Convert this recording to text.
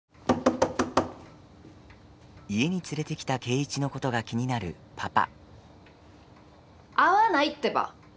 家に連れてきた圭一のことが気になるパパ。